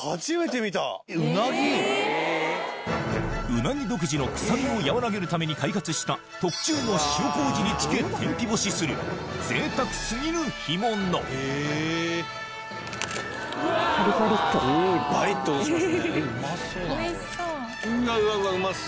うなぎ独自の臭みを和らげるために開発した特注の塩麹につけ天日干しする贅沢過ぎる干物って感じがします。